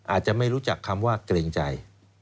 อาจจะไม่รู้จักคำว่าเกรงใจ